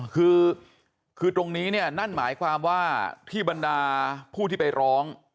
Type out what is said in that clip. คือคือตรงนี้เนี่ยนั่นหมายความว่าที่บรรดาผู้ที่ไปร้อง